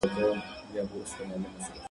پنډي په اوږه باندي ګڼ توکي راوړي وو.